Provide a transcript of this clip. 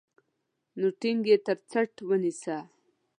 نو ټينګ يې تر څټ ونيسه.